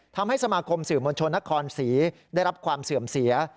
ทำให้สมาคมสื่อมวลชนนครศรีได้รับความเสื่อมเสีย